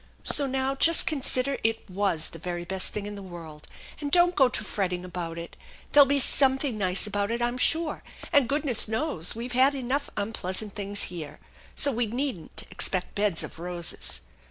So now just consider it was the very beet thing in the world, and don't go to fretting about it. There'll be something nice about it, I'm sure, and goodness knows we've had enough unpleasant things here; so we needn't expect beds of roses.